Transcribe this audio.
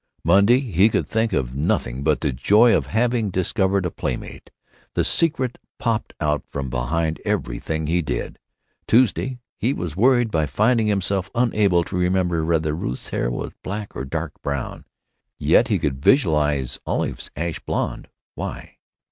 Monday he could think of nothing but the joy of having discovered a playmate. The secret popped out from behind everything he did. Tuesday he was worried by finding himself unable to remember whether Ruth's hair was black or dark brown. Yet he could visualize Olive's ash blond. Why?